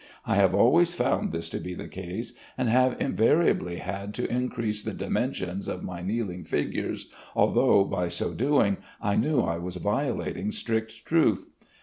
I have always found this to be the case, and have invariably had to increase the dimensions of my kneeling figures, although by so doing I knew I was violating strict truth.